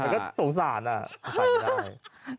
แต่ก็สงสารนะใส่ไม่ได้